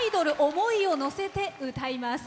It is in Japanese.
思いをのせて歌います。